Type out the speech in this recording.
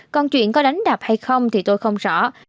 còn chuyện có đánh đập hay không thì tôi không rõ